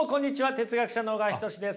哲学者の小川仁志です。